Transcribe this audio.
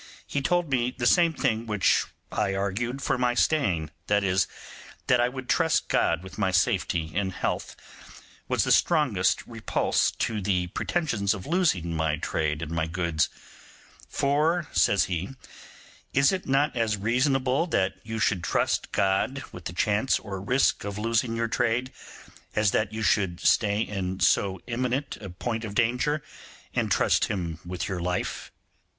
He told me the same thing which I argued for my staying, viz., that I would trust God with my safety and health, was the strongest repulse to my pretensions of losing my trade and my goods; 'for', says he, 'is it not as reasonable that you should trust God with the chance or risk of losing your trade, as that you should stay in so eminent a point of danger, and trust Him with your life?